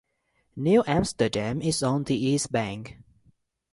New Amsterdam is on the east bank.